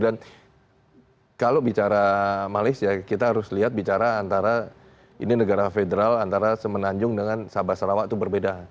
dan kalau bicara malaysia kita harus lihat bicara antara ini negara federal antara semenanjung dengan sabah sarawak itu berbeda